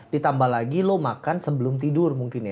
ditambah lagi lo makan sebelum tidur mungkin ya